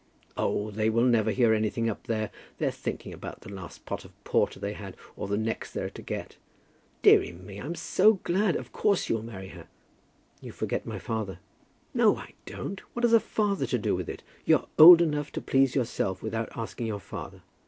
"Oh, they never hear anything up there. They're thinking about the last pot of porter they had, or the next they're to get. Deary me, I am so glad! Of course you'll marry her." "You forget my father." "No, I don't. What has a father to do with it? You're old enough to please yourself without asking your father.